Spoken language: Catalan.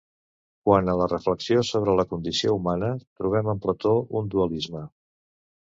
Quant a la reflexió sobre la condició humana, trobem en Plató un dualisme.